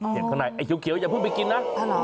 ข้างในไอ้เขียวอย่าเพิ่งไปกินนะ